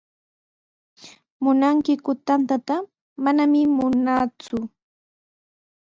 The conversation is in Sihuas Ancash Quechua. ¿Munankiku tantata? Manami munaaku.